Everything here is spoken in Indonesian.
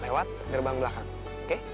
lewat gerbang belakang oke